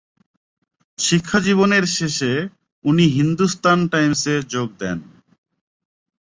শিক্ষাজীবনের শেষে উনি হিন্দুস্তান টাইমসে এ যোগ দেন।